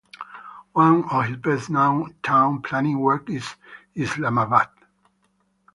One of his best-known town planning works is Islamabad.